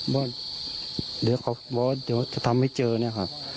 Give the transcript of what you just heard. บอกว่าจะทำไม่เจอเนี่ยครับ